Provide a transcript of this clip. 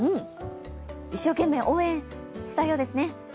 一生懸命応援したようですね。